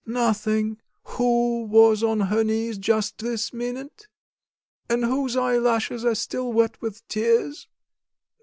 Nothing, who was on her knees just to this minute? and whose eyelashes are still wet with tears?